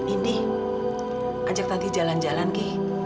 ini ajak tanti jalan jalan ki